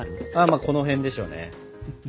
まあこの辺でしょうね。